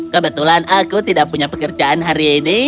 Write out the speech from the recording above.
kebetulan aku tidak punya pekerjaan hari ini